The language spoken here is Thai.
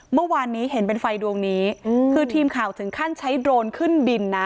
เมื่อวานนี้เห็นเป็นไฟดวงนี้คือทีมข่าวถึงขั้นใช้โดรนขึ้นบินนะ